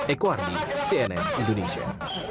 eko ardi cnn indonesia